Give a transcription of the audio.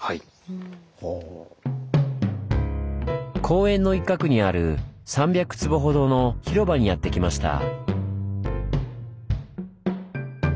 公園の一角にある３００坪ほどの広場にやって来ました。